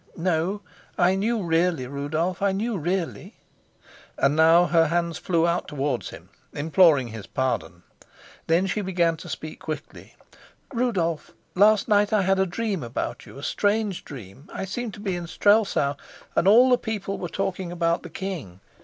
"No, I knew really, Rudolf, I knew really," and now her hands flew out towards him, imploring his pardon. Then she began to speak quickly: "Rudolf, last night I had a dream about you, a strange dream. I seemed to be in Strelsau, and all the people were talking about the king.